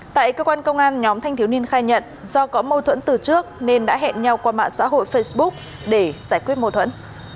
tại cơ quan công an nhóm thanh thiếu niên khai nhận do có mâu thuẫn từ trước nên đã hẹn nhau qua mạng xã hội facebook để giải quyết mâu thuẫn